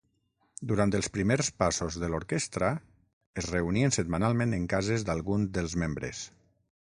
Durant els primers passos de l'orquestra, es reunien setmanalment en cases d'algun dels membres.